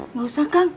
nggak usah kang